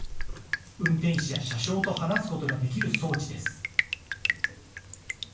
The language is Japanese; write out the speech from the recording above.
運転士や車掌と話すことができる装置です。